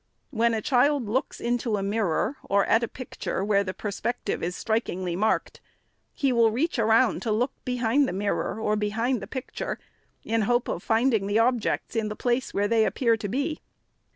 When a child looks into a mirror, or at a picture where the perspective is strikingly marked, he will reach around to look behind the mirror, or behind the picture, in hope of finding the objects in the place where they appear to be.